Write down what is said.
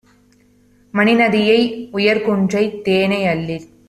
மணிநதியை, உயர்குன்றைத் தேனை அள்ளிப்